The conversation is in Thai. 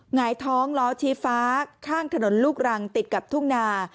หงายท้องล้อชี้ฟ้าข้างถนนลูกรังติดกับทุ่งนา